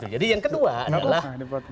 jadi yang kedua adalah